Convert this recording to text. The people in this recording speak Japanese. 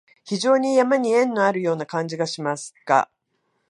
非常に山に縁のあるような感じがしますが、